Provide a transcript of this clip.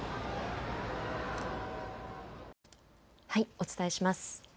お伝えします。